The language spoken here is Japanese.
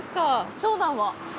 長男は？